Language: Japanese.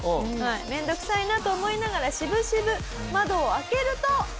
面倒くさいなと思いながら渋々窓を開けると。